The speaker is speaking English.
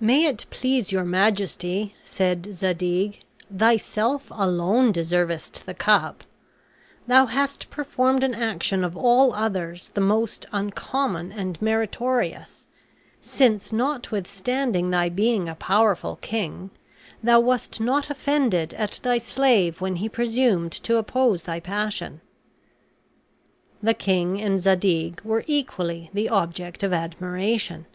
"May it please your majesty," said Zadig, "thyself alone deservest the cup; thou hast performed an action of all others the most uncommon and meritorious, since, notwithstanding thy being a powerful king, thou wast not offended at thy slave when he presumed to oppose thy passion." The king and Zadig were equally the object of admiration.